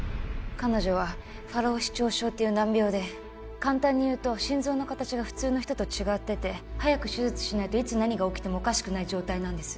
彼女はファロー四徴症っていう難病で簡単にいうと心臓の形が普通の人と違ってて早く手術しないといつ何が起きてもおかしくない状態なんです